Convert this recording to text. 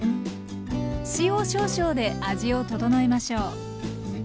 塩少々で味を調えましょう。